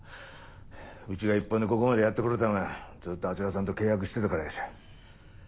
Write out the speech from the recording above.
うちが一本でここまでやって来れたんはずっとあちらさんと契約してたからやし。